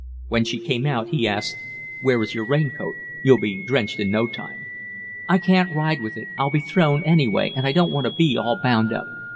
When she came out he asked: "Where is your raincoat? You'll be drenched in no time." "I can't ride with it. I'll be thrown, anyway, and I don't want to be all bound up.